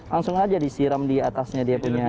langsung saja disiram di atasnya dia punya